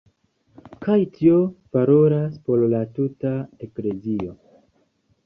Kaj tio valoras por la tuta eklezio.